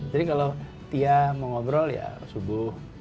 jadi kalau tia mau ngobrol ya subuh